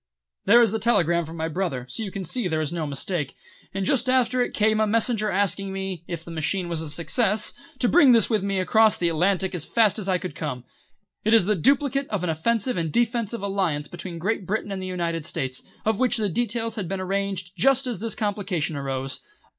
"There is the telegram from my brother, so you can see there's no mistake, and just after it came a messenger asking me, if the machine was a success, to bring this with me across the Atlantic as fast as I could come. It is the duplicate of an offensive and defensive alliance between Great Britain and the United States, of which the details had been arranged just as this complication arose.